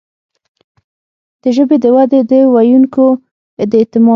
د ژبې د ودې، د ویونکو د اعتماد